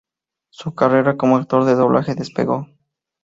Su carrera como actor de doblaje despegó.